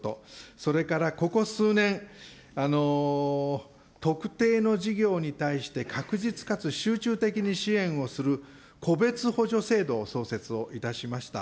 それから、ここ数年、特定の事業に対して、確実かつ集中的に支援をする個別補助制度を創設をいたしました。